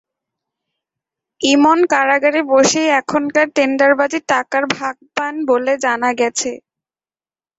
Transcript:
ইমন কারাগারে বসেই এখানকার টেন্ডারবাজির টাকার ভাগ পান বলে জানা গেছে।